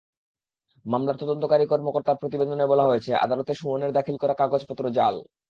মামলার তদন্তকারী কর্মকর্তার প্রতিবেদনে বলা হয়েছে, আদালতে সুমনের দাখিল করা কাগজপত্র জাল।